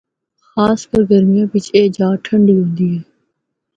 خاص کر گرمیاں بچ اے جآ ٹھنڈی ہوندی اے۔